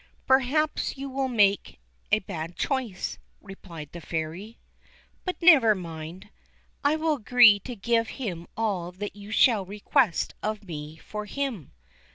"Perhaps you will make a bad choice," replied the Fairy; "but never mind I will agree to give him all that you shall request of me for him."